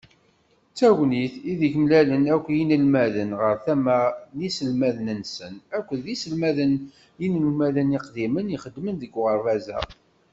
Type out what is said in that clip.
D tagnit ideg mlalen akk yinelmaden ɣer tama n yiselmaden-nsen akked yiselmaden d yinemhalen iqdimen ixedmen deg uɣerbaz-a.